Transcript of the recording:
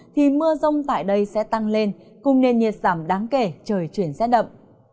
thì mưa rông tại đây sẽ tăng lên cùng nền nhiệt giảm đáng kể trời chuyển rét đậm